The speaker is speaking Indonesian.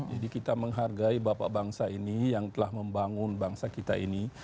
jadi kita menghargai bapak bangsa ini yang telah membangun bangsa kita ini